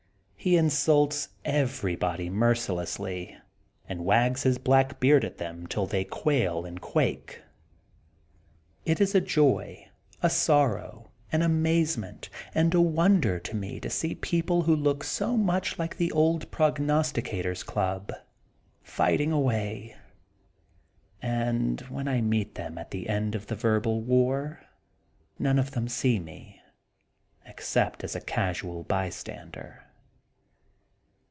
He insults everybody mercilessly and wags his black beard at them till they quail and quake. It is a joy, a sorrow, an amazement, and a wonder to me to see people who look so much like the old Prognosticator^s Club, fighting away, and when I meet them all at the end of the verbal war none of them see me ex cept as a casual bystander.